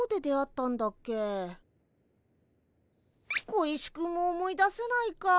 小石くんも思い出せないか。